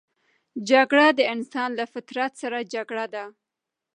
جګړه د انسان له فطرت سره جګړه ده